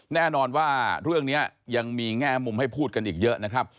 แน่นอนว่าเรื่องนี้ยังมีแง่มุมให้พูดกันอีกเยอะนะครับ